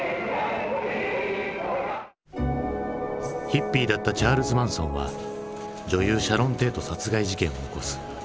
ヒッピーだったチャールズ・マンソンは女優シャロン・テート殺害事件を起こす。